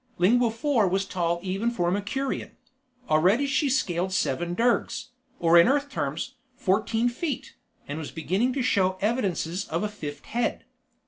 Lingua Four was tall even for a Mercurian. Already she scaled seven dergs, or in Earth terms, fourteen feet and was beginning to show evidences of a fifth head.